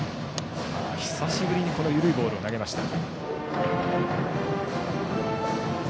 久しぶりに緩いボールを投げました。